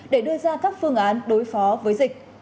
để đưa ra các phương án đối phó với dịch